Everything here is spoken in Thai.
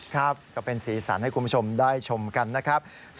ก็เป็นสีสันให้คุณผู้ชมได้ชมกันนะครับ